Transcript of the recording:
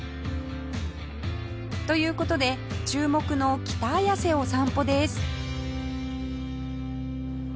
という事で注目の北綾瀬を散歩です